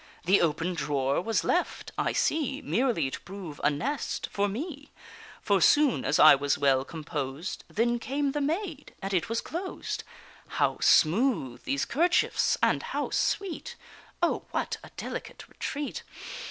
The open drawer was left, I see, Merely to prove a nest for me, For soon as I was well composed, Then came the maid, and it was closed, How smooth these 'kerchiefs, and how sweet! O what a delicate retreat!